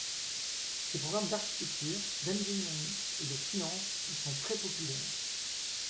Ses programmes d'architecture, d'ingénierie et de finance y sont très populaires.